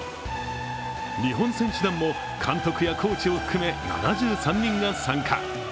日本選手団も監督やコーチを含め７３人が参加。